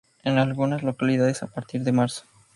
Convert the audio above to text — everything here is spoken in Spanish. En algunas localidades a partir de marzo.